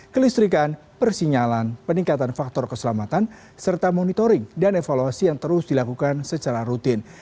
kelistrikan persinyalan peningkatan faktor keselamatan serta monitoring dan evaluasi yang terus dilakukan secara rutin